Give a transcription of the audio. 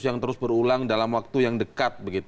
yang terus berulang dalam waktu yang dekat